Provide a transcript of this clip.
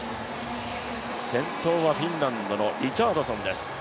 先頭はフィンランドのリチャードソンです。